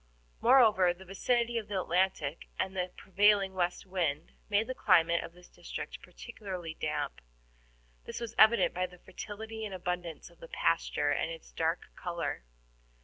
Moreover, the vicinity of the Atlantic, and the prevailing west wind, made the climate of this district particularly damp. This was evident by the fertility and abundance of the pasture and its dark color.